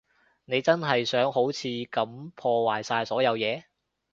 你真係想好似噉破壞晒所有嘢？